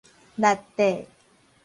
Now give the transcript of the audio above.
力帝